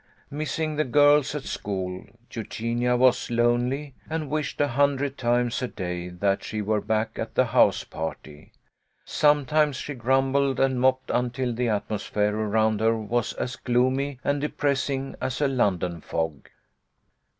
Missing the girls at school, Eugenia was lonely, and wished a hundred times a day that she were back at the house party. Sometimes she grumbled and moped until the atmosphere around her was as gloomy and depressing as a London fog.